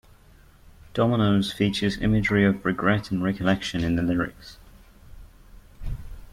"Dominoes" features imagery of regret and recollection in the lyrics.